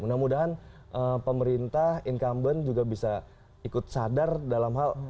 mudah mudahan pemerintah incumbent juga bisa ikut sadar dalam hal